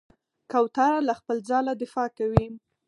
کوتره له خپل ځاله دفاع کوي.